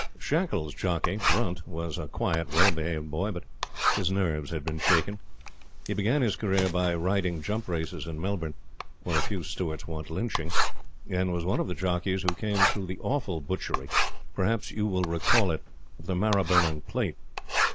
Shackles' jockey, Brunt, was a quiet, well behaved boy, but his nerves had been shaken. He began his career by riding jump races in Melbourne, where a few Stewards want lynching, and was one of the jockeys who came through the awful butchery perhaps you will recollect it of the Maribyrnong Plate.